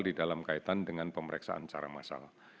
di dalam kaitan dengan pemeriksaan secara massal